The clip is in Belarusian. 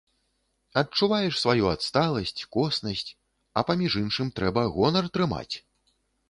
Адчуваеш сваю адсталасць, коснасць, а паміж іншым трэба гонар трымаць!